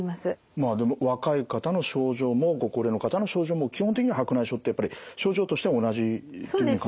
まあでも若い方の症状もご高齢の方の症状も基本的には白内障ってやっぱり症状としては同じというふうに考えていいんですか？